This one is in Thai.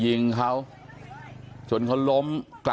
มีภาพวงจรปิดอีกมุมหนึ่งของตอนที่เกิดเหตุนะฮะ